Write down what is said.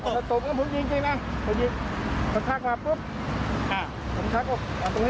ตบแล้วผมยิงจริงถ้าจับตัวผมก็พาร์ทฟื้น